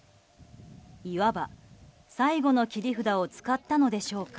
いわば、最後の切り札を使ったのでしょうか。